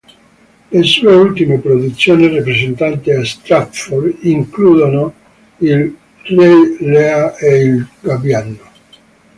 Le sue ultime produzioni rappresentate a Stratford includono il "Re Lear" e "Il gabbiano".